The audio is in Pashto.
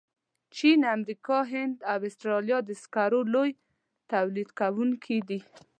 چین، امریکا، هند او استرالیا د سکرو لوی تولیدونکي دي.